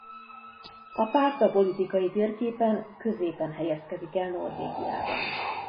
A párt a politikai térképen középen helyezkedik el Norvégiában.